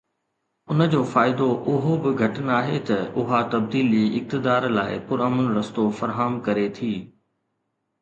ان جو فائدو اهو به گهٽ ناهي ته اها تبديلي اقتدار لاءِ پرامن رستو فراهم ڪري ٿي.